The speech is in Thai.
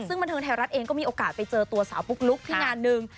ซึ่งบันเทิงไทยรัฐเองก็มีโอกาสไปเจอตัวสาวปุ๊กลุ๊กที่งานหนึ่ง